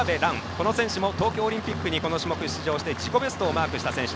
この選手も東京オリンピック出場して自己ベストマーク。